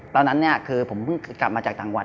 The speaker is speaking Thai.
ตอนนั้นคือผมเพิ่งกลับมาจากต่างหวัด